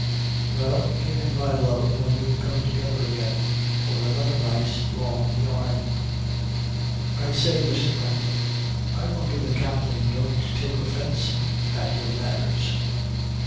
Well, give him my love when you come together again for another nice long yarn." "I say, Mr. Franklin, I wonder the captain don't take offence at your manners."